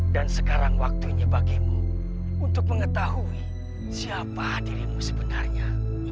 dan sekarang waktunya bagimu untuk mengetahui siapa dirimu sebenarnya